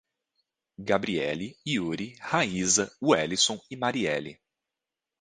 Gabriely, Iury, Raiza, Welison e Marieli